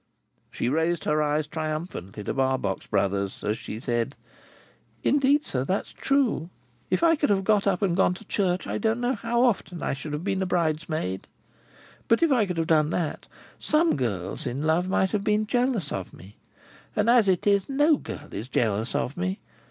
She raised her eyes triumphantly to Barbox Brothers, as she said: "Indeed, sir, that is true. If I could have got up and gone to church, I don't know how often I should have been a bridesmaid. But if I could have done that, some girls in love might have been jealous of me, and as it is, no girl is jealous of me.